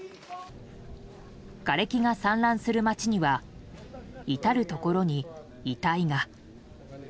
がれきが散乱する街には至るところに遺体が。